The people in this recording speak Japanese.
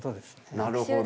なるほど。